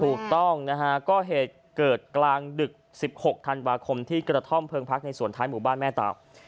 ถูกต้องนะฮะก็เหตุเกิดกลางดึก๑๖ธันวาคมที่กระท่อมเพลิงพักในส่วนท้ายหมู่บ้านแม่เต่า